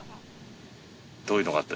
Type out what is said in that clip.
どういうのがあった？